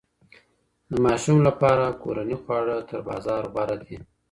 د ماشوم لپاره کورني خواړه تر بازار غوره دي.